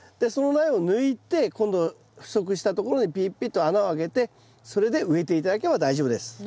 その苗を抜いて今度不足したところにピッピッと穴を開けてそれで植えて頂ければ大丈夫です。